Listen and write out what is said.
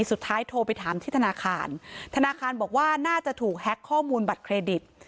โทรไปถามที่ธนาคารธนาคารบอกว่าน่าจะถูกแฮ็กข้อมูลบัตรเครดิต